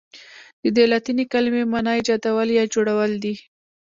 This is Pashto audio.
ددې لاتیني کلمې معنی ایجادول یا جوړول دي.